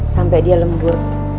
sampai dia lembur